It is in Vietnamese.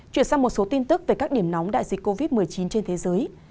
chuyển sang một số tin tức về các điểm nóng đại dịch covid một mươi chín trên thế giới